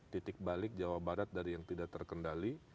titik balik jawa barat dari yang tidak terkendali